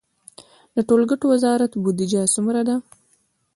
د ټولګټو وزارت بودیجه څومره ده؟